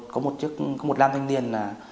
có một đàn thanh niên